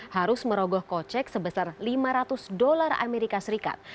harus merogoh kocek sebesar lima ratus dolar amerika serikat